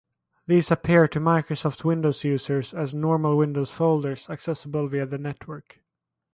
These appear to Microsoft Windows users as normal Windows folders accessible via the network.